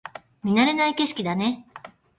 見慣れない景色だね